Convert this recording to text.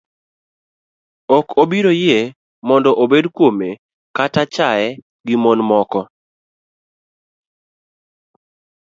Ok obiro yie mar mondo obed kuome kata chaye gi mon moko.